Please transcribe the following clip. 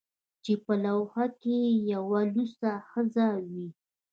چې په لوحه کې یې یوه لوڅه ښځه وي